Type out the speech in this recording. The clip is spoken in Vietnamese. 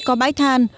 khi có bãi than